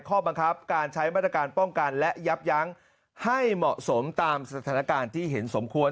ข้อบังคับการใช้มาตรการป้องกันและยับยั้งให้เหมาะสมตามสถานการณ์ที่เห็นสมควร